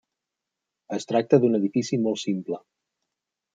Es tracta d'un edifici molt simple.